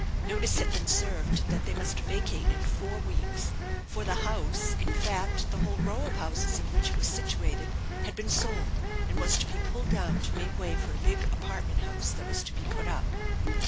Notice had been served that they must vacate in four weeks; for the house, in fact, the whole row of houses in which it was situated, had been sold, and was to be pulled down to make way for a big apartment house that was to be put up.